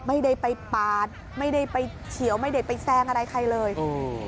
ไม่ได้ไปปาดไม่ได้ไปเฉียวไม่ได้ไปแซงอะไรใครเลยอืม